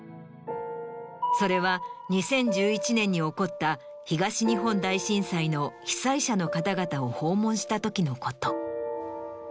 それは２０１１年に起こった東日本大震災の被災者の方々を訪問したときのこと。